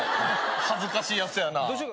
恥ずかしいやつやな。